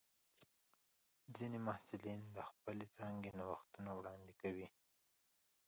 ځینې محصلین د خپلې څانګې نوښتونه وړاندې کوي.